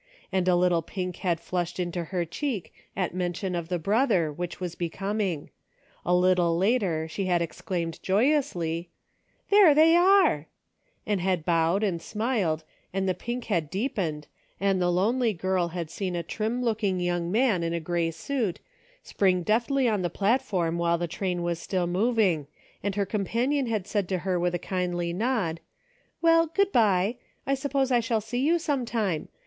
And a little pink had flushed into her cheek at mention of the brother, which was becoming ; a little later she had exclaimed joyously, —" There they are !" and had bowed, and smiled, and the pink had deepened, and the lonely girl had seen a trim looking young man in a gray suit, spring deftly on the platform, while the train was still moving, and her companion had said to her with a kindly nod, "Well, good by ! I suppose I shall see you sometime.